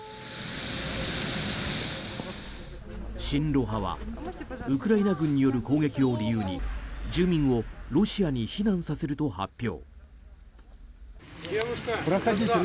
親ロ派はウクライナ軍による攻撃を理由に住民をロシアに避難させると発表。